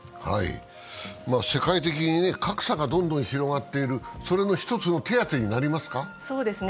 世界的に格差がどんどん広がっている、それの一つの手当てになりますか？